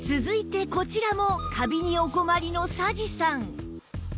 続いてこちらもカビにお困りの佐治さん